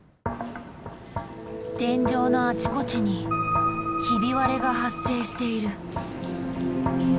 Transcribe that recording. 天井のあちこちにひび割れが発生している。